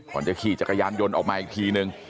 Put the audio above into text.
จะขี่จักรยานยนต์ออกมาอีกทีนึง